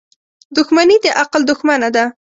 • دښمني د عقل دښمنه ده.